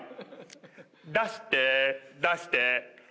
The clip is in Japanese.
出して出して。